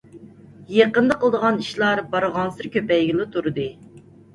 يېقىندا قىلىدىغان ئىشلار بارغانسېرى كۆپەيگىلى تۇردى.